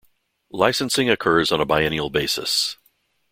Licensing occurs on a biennial basis.